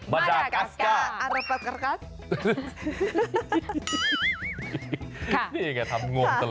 บาดากัสก้า